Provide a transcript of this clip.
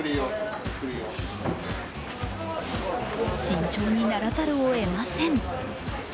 慎重にならざるを得ません。